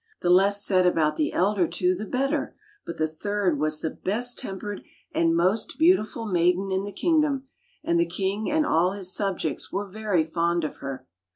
The less said about the elder two the better, but the third was the best tempered and most beautiful maiden in the kingdom, and the king and all his subjects were very fond of her.